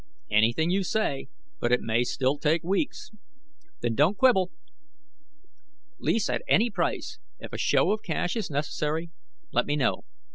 "Anything you say. But it may still take weeks." "Then don't quibble. Lease at any price. If a show of cash is necessary, let me know.